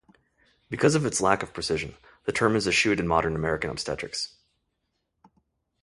Because of its lack of precision, the term is eschewed in modern American obstetrics.